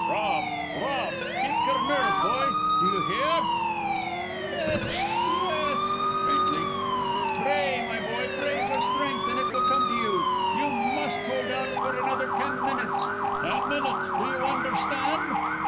"Rob! Rob! Keep your nerve, boy! Do you hear?" "Yes yes " faintly. "Pray, my boy pray for strength, and it will come to you! You must hold out for another ten minutes. Ten minutes do you understand?"